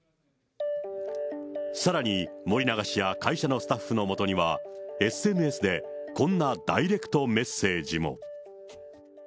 さらに森永氏や会社のスタッフのもとには、ＳＮＳでこんなダイレクトメッセージも。